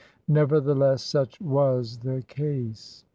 Nevertheless, such was the case.